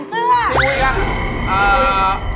ช่วยอะไรบ้าง